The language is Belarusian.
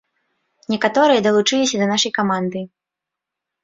Некаторыя далучыліся да нашай каманды.